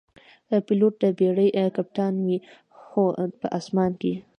پیلوټ د بېړۍ کپتان وي، خو په آسمان کې.